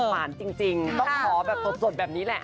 มาจากไซซ์๓๙๑